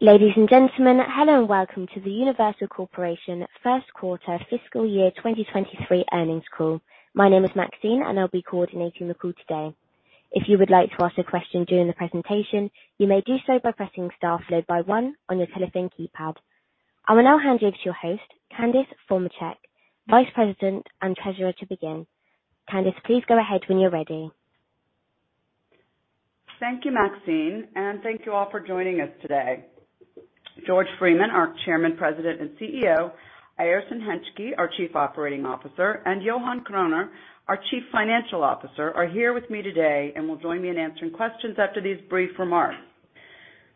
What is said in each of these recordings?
Ladies and gentlemen, hello and welcome to the Universal Corporation first quarter fiscal year 2023 earnings call. My name is Maxine, and I'll be coordinating the call today. If you would like to ask a question during the presentation, you may do so by pressing star followed by one on your telephone keypad. I will now hand you to your host, Candace Formacek, Vice President and Treasurer, to begin. Candace, please go ahead when you're ready. Thank you, Maxine, and thank you all for joining us today. George Freeman, our Chairman, President, and CEO, Airton Hentschke, our Chief Operating Officer, and Johan Kroner, our Chief Financial Officer, are here with me today and will join me in answering questions after these brief remarks.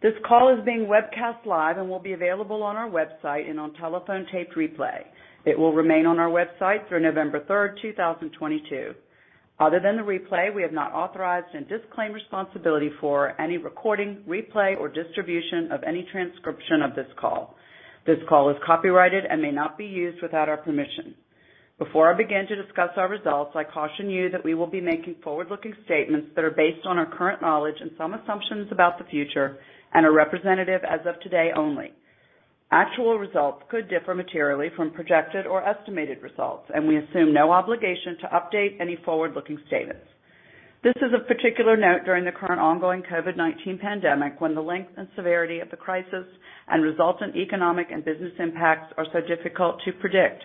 This call is being webcast live and will be available on our website and on telephone taped replay. It will remain on our website through November 3rd, 2022. Other than the replay, we have not authorized and disclaim responsibility for any recording, replay, or distribution of any transcription of this call. This call is copyrighted and may not be used without our permission. Before I begin to discuss our results, I caution you that we will be making forward-looking statements that are based on our current knowledge and some assumptions about the future and are representative as of today only. Actual results could differ materially from projected or estimated results, and we assume no obligation to update any forward-looking statements. This is of particular note during the current ongoing COVID-19 pandemic, when the length and severity of the crisis and resultant economic and business impacts are so difficult to predict.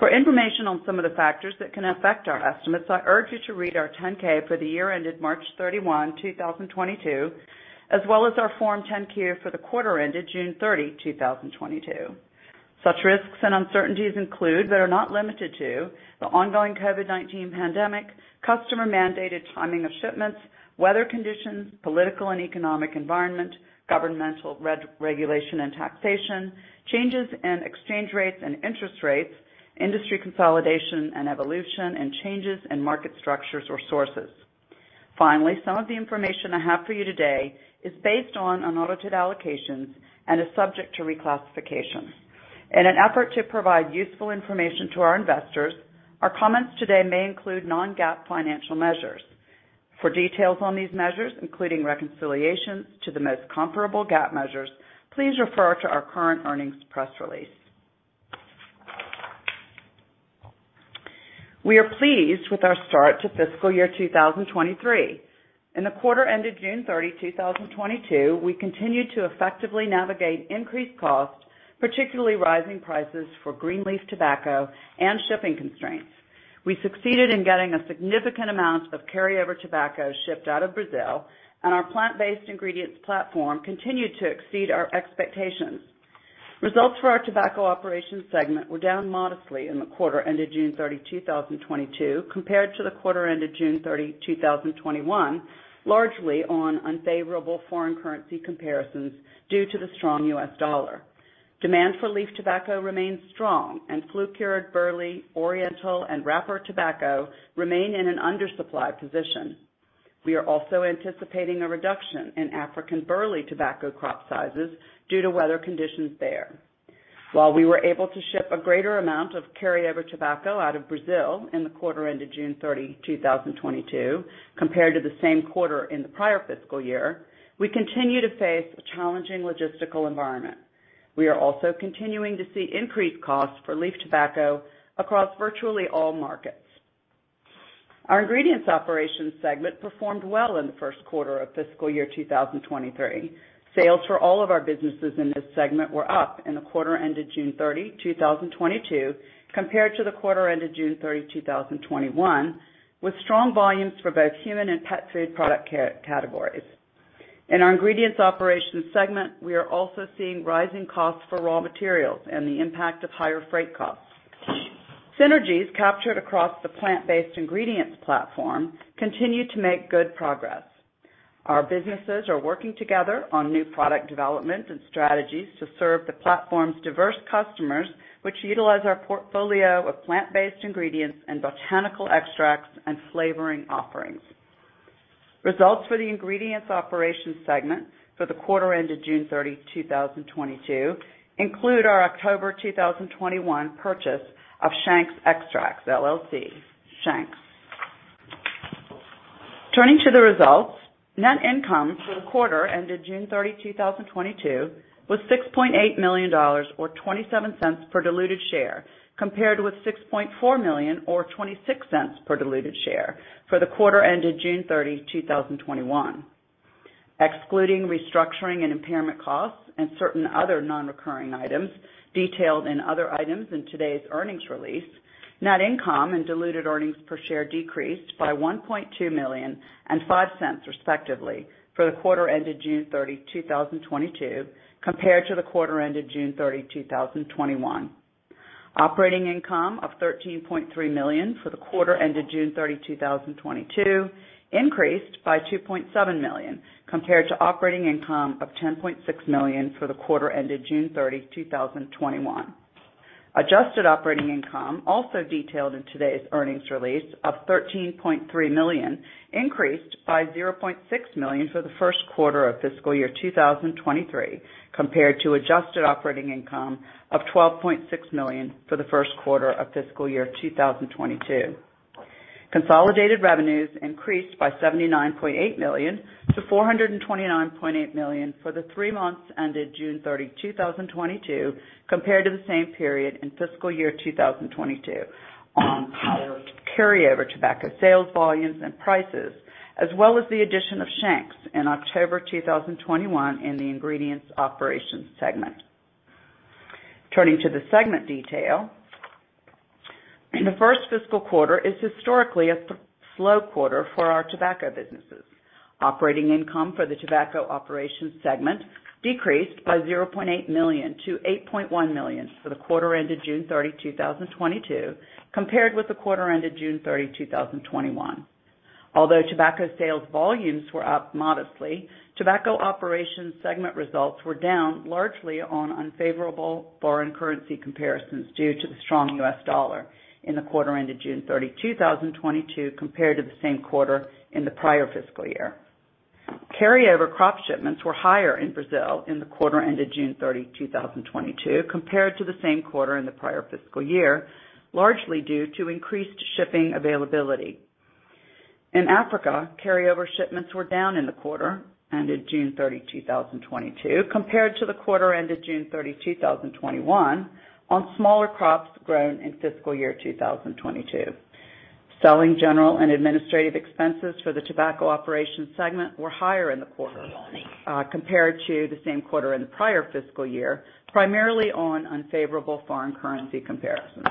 For information on some of the factors that can affect our estimates, I urge you to read our Form 10-K for the year ended March 31, 2022, as well as our Form 10-Q for the quarter ended June 30, 2022. Such risks and uncertainties include, but are not limited to, the ongoing COVID-19 pandemic, customer-mandated timing of shipments, weather conditions, political and economic environment, governmental re-regulation and taxation, changes in exchange rates and interest rates, industry consolidation and evolution, and changes in market structures or sources. Finally, some of the information I have for you today is based on unaudited allocations and is subject to reclassification. In an effort to provide useful information to our investors, our comments today may include non-GAAP financial measures. For details on these measures, including reconciliations to the most comparable GAAP measures, please refer to our current earnings press release. We are pleased with our start to fiscal year 2023. In the quarter ended June 30, 2022, we continued to effectively navigate increased costs, particularly rising prices for green leaf tobacco and shipping constraints. We succeeded in getting a significant amount of carryover tobacco shipped out of Brazil, and our plant-based ingredients platform continued to exceed our expectations. Results for our tobacco operations segment were down modestly in the quarter ended June 30, 2022, compared to the quarter ended June 30, 2021, largely on unfavorable foreign currency comparisons due to the strong U.S. dollar. Demand for leaf tobacco remains strong and flue-cured burley, oriental, and wrapper tobacco remain in an undersupply position. We are also anticipating a reduction in African burley tobacco crop sizes due to weather conditions there. While we were able to ship a greater amount of carryover tobacco out of Brazil in the quarter ended June 30, 2022, compared to the same quarter in the prior fiscal year, we continue to face a challenging logistical environment. We are also continuing to see increased costs for leaf tobacco across virtually all markets. Our ingredients operations segment performed well in the first quarter of fiscal year 2023. Sales for all of our businesses in this segment were up in the quarter ended June 30, 2022, compared to the quarter ended June 30, 2021, with strong volumes for both human and pet food product categories. In our ingredients operations segment, we are also seeing rising costs for raw materials and the impact of higher freight costs. Synergies captured across the plant-based ingredients platform continue to make good progress. Our businesses are working together on new product development and strategies to serve the platform's diverse customers, which utilize our portfolio of plant-based ingredients and botanical extracts and flavoring offerings. Results for the ingredients operations segment for the quarter ended June 30, 2022 include our October 2021 purchase of Shank's Extracts, LLC. Shank's. Turning to the results, net income for the quarter ended June 30, 2022 was $6.8 million or $0.27 per diluted share, compared with $6.4 million or $0.26 per diluted share for the quarter ended June 30, 2021. Excluding restructuring and impairment costs and certain other non-recurring items detailed in other items in today's earnings release, net income and diluted earnings per share decreased by $1.2 million and $0.05, respectively, for the quarter ended June 30, 2022, compared to the quarter ended June 30, 2021. Operating income of $13.3 million for the quarter ended June 30, 2022 increased by $2.7 million compared to operating income of $10.6 million for the quarter ended June 30, 2021. Adjusted operating income, also detailed in today's earnings release of $13.3 million, increased by $0.6 million for the first quarter of fiscal year 2023 compared to adjusted operating income of $12.6 million for the first quarter of fiscal year 2022. Consolidated revenues increased by $79.8 million to $429.8 million for the three months ended June 30, 2022 compared to the same period in fiscal year 2022 on higher carryover tobacco sales volumes and prices, as well as the addition of Shank's Extracts, LLC in October 2021 in the ingredients operations segment. Turning to the segment detail. The first fiscal quarter is historically a slow quarter for our tobacco businesses. Operating income for the tobacco operations segment decreased by $0.8 million to $8.1 million for the quarter ended June 30, 2022, compared with the quarter ended June 30, 2021. Although tobacco sales volumes were up modestly, tobacco operations segment results were down largely on unfavorable foreign currency comparisons due to the strong US dollar in the quarter ended June 30, 2022 compared to the same quarter in the prior fiscal year. Carryover crop shipments were higher in Brazil in the quarter ended June 30, 2022 compared to the same quarter in the prior fiscal year, largely due to increased shipping availability. In Africa, carryover shipments were down in the quarter ended June 30, 2022 compared to the quarter ended June 30, 2021 on smaller crops grown in fiscal year 2022. Selling, general, and administrative expenses for the tobacco operations segment were higher in the quarter compared to the same quarter in the prior fiscal year, primarily on unfavorable foreign currency comparisons.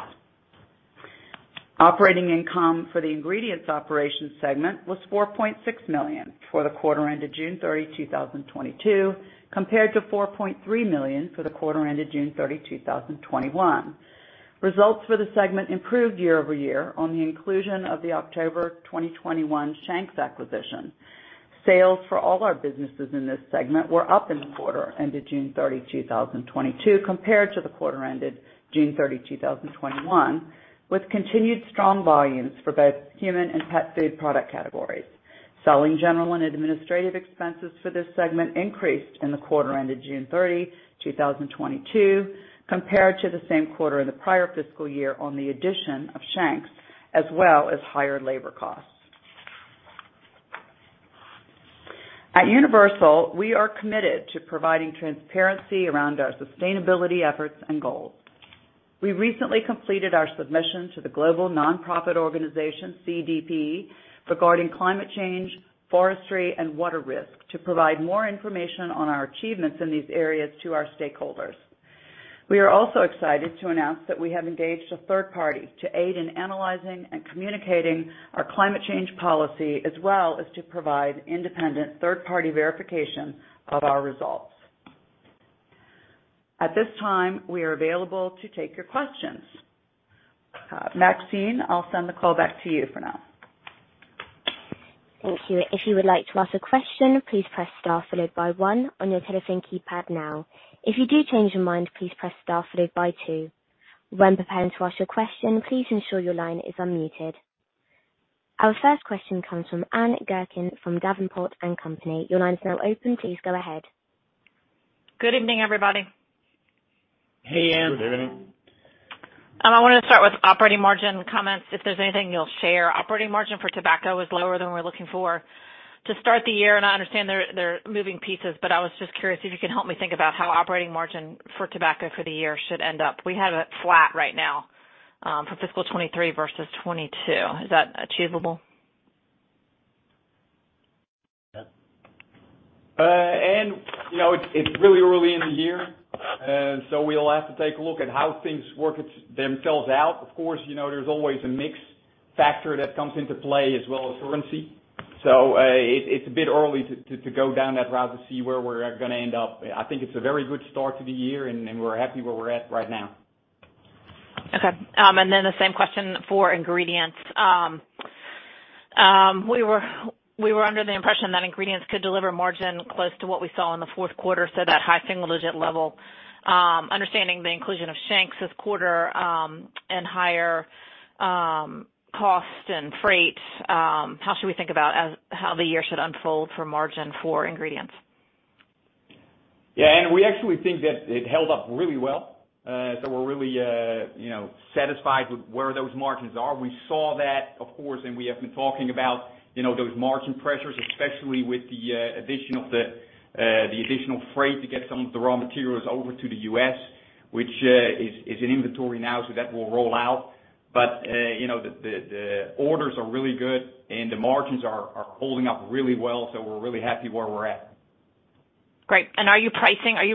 Operating income for the ingredients operations segment was $4.6 million for the quarter ended June 30, 2022, compared to $4.3 million for the quarter ended June 30, 2021. Results for the segment improved year-over-year on the inclusion of the October 2021 Shank's acquisition. Sales for all our businesses in this segment were up in the quarter ended June 30, 2022 compared to the quarter ended June 30, 2021, with continued strong volumes for both human and pet food product categories. Selling, general, and administrative expenses for this segment increased in the quarter ended June 30, 2022, compared to the same quarter in the prior fiscal year on the addition of Shank's as well as higher labor costs. At Universal, we are committed to providing transparency around our sustainability efforts and goals. We recently completed our submission to the global nonprofit organization CDP regarding climate change, forestry, and water risk to provide more information on our achievements in these areas to our stakeholders. We are also excited to announce that we have engaged a third-party to aid in analyzing and communicating our climate change policy, as well as to provide independent third-party verification of our results. At this time, we are available to take your questions. Maxine, I'll send the call back to you for now. Thank you. If you would like to ask a question, please press star followed by one on your telephone keypad now. If you do change your mind, please press star followed by two. When preparing to ask your question, please ensure your line is unmuted. Our first question comes from Ann Gurkin from Davenport & Company. Your line is now open. Please go ahead. Good evening, everybody. Hey, Ann. Good evening. I wanted to start with operating margin comments, if there's anything you'll share. Operating margin for tobacco was lower than we're looking for to start the year, and I understand there are moving pieces, but I was just curious if you could help me think about how operating margin for tobacco for the year should end up. We have it flat right now, for fiscal 2023 versus 2022. Is that achievable? Ann, you know, it's really early in the year, so we'll have to take a look at how things work themselves out. Of course, you know, there's always a mix factor that comes into play as well as currency. It's a bit early to go down that route to see where we're gonna end up. I think it's a very good start to the year and we're happy where we're at right now. Okay. The same question for ingredients. We were under the impression that ingredients could deliver margin close to what we saw in the fourth quarter, so that high single-digit level. Understanding the inclusion of Shank's this quarter, and higher cost and freight, how should we think about how the year should unfold for margin for ingredients? Yeah. Ann, we actually think that it held up really well. We're really, you know, satisfied with where those margins are. We saw that, of course, and we have been talking about, you know, those margin pressures, especially with the addition of the additional freight to get some of the raw materials over to the U.S., which is in inventory now, so that will roll out. You know, the orders are really good and the margins are holding up really well, so we're really happy where we're at. Great. Are you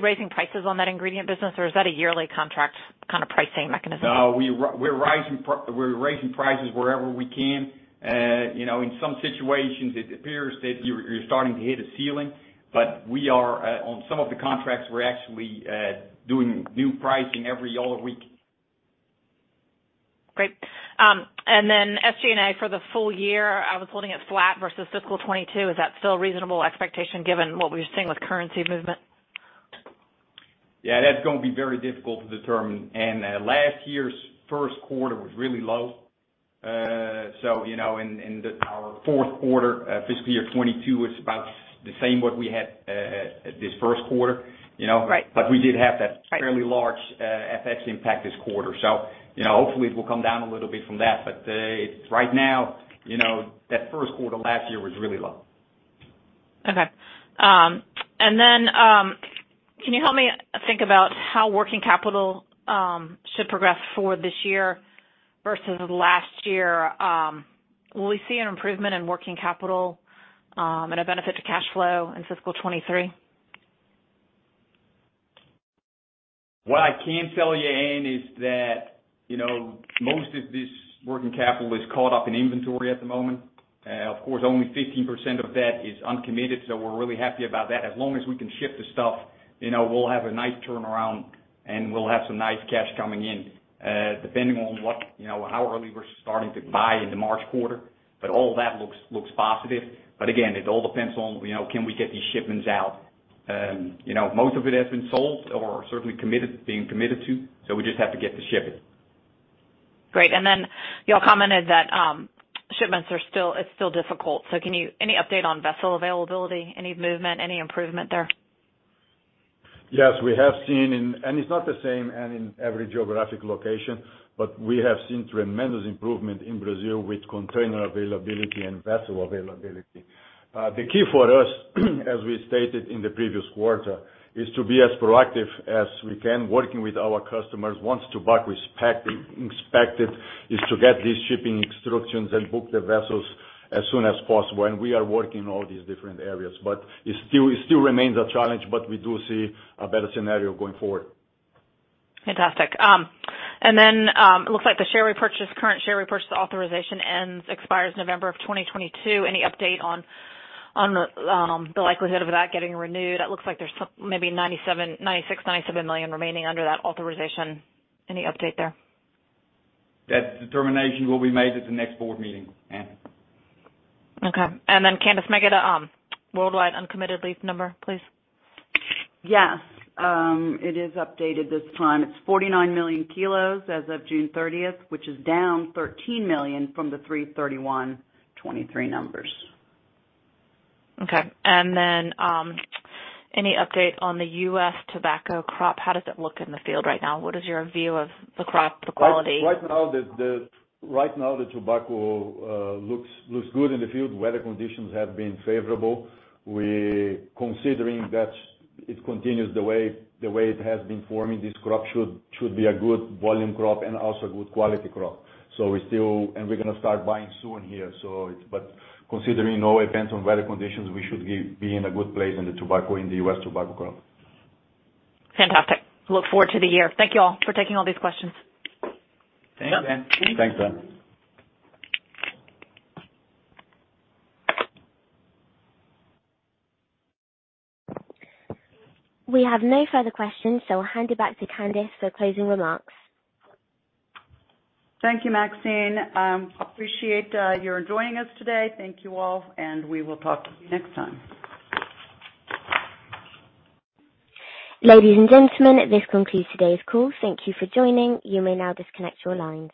raising prices on that ingredient business or is that a yearly contract kind of pricing mechanism? No, we're raising prices wherever we can. You know, in some situations it appears that you're starting to hit a ceiling, but we are on some of the contracts, we're actually doing new pricing every other week. Great. SG&A for the full year, I was holding it flat versus fiscal 2022. Is that still a reasonable expectation given what we're seeing with currency movement? Yeah, that's gonna be very difficult to determine. Last year's first quarter was really low. You know, our fourth quarter, fiscal year 2022 was about the same what we had, this first quarter, you know. Right. We did have that. Right. Fairly large FX impact this quarter. You know, hopefully it will come down a little bit from that. Right now, you know, that first quarter last year was really low. Okay. Can you help me think about how working capital should progress for this year versus last year? Will we see an improvement in working capital, and a benefit to cash flow in fiscal 2023? What I can tell you, Ann, is that, you know, most of this working capital is caught up in inventory at the moment. Of course, only 15% of that is uncommitted, so we're really happy about that. As long as we can ship the stuff, you know, we'll have a nice turnaround, and we'll have some nice cash coming in, depending on what, you know, how early we're starting to buy in the March quarter. All that looks positive. Again, it all depends on, you know, can we get these shipments out. Most of it has been sold or certainly committed, being committed to, so we just have to get to shipping. Great. Y'all commented that shipments are still. It's still difficult. Can you any update on vessel availability? Any movement? Any improvement there? Yes, we have seen. It's not the same in every geographic location, but we have seen tremendous improvement in Brazil with container availability and vessel availability. The key for us, as we stated in the previous quarter, is to be as proactive as we can. Working with our customers once tobacco is packed and inspected, is to get these shipping instructions and book the vessels as soon as possible. We are working all these different areas, but it still remains a challenge, but we do see a better scenario going forward. Fantastic. It looks like the current share repurchase authorization expires November of 2022. Any update on the likelihood of that getting renewed? It looks like there's maybe $96-$97 million remaining under that authorization. Any update there? That determination will be made at the next board meeting, Ann. Okay. Candace, may I get a worldwide uncommitted leaf number, please? Yes. It is updated this time. It's 49 million kg as of June 30th, which is down 13 million kg from the 3/31/2023 numbers. Okay. Any update on the U.S. tobacco crop? How does it look in the field right now? What is your view of the crop, the quality? Right now, the tobacco looks good in the field. Weather conditions have been favorable. We considering that it continues the way it has been farming, this crop should be a good volume crop and also good quality crop. We're gonna start buying soon here. Considering no events on weather conditions, we should be in a good place in the tobacco, in the U.S. tobacco crop. Fantastic. Look forward to the year. Thank you all for taking all these questions. Thanks, Ann. Thanks, Ann. We have no further questions, so I'll hand it back to Candace for closing remarks. Thank you, Maxine. Appreciate you joining us today. Thank you all, and we will talk to you next time. Ladies and gentlemen, this concludes today's call. Thank you for joining. You may now disconnect your lines.